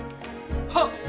はっ！